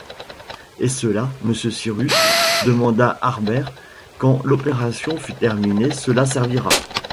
Et cela, monsieur Cyrus, demanda Harbert, quand l’opération fut terminée, cela servira?...